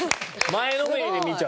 前のめりで見ちゃう。